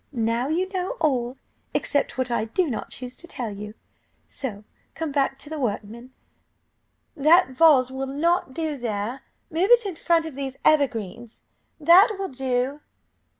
Now you know all, except what I do not choose to tell you, so come back to the workmen 'That vase will not do there, move it in front of these evergreens; that will do.